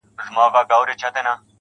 هغه اوس اوړي غرونه غرونه پـــرېږدي.